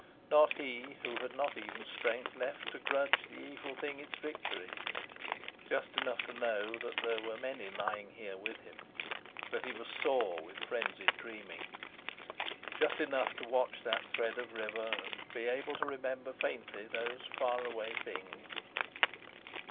Not he, who had not even strength left to grudge the evil thing its victory—just enough to know that there were many lying here with him, that he was sore with frenzied dreaming; just enough to watch that thread of river and be able to remember faintly those far away things....